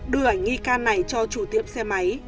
đưa ảnh nghi can này cho chủ tiếp xe máy